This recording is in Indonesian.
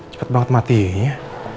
cepet banget matinya